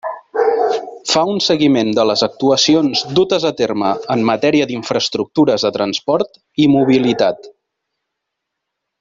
Fa un seguiment de les actuacions dutes a terme en matèria d'infraestructures de transport i mobilitat.